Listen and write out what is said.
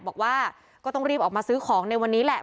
บอกว่าก็ต้องรีบออกมาซื้อของในวันนี้แหละ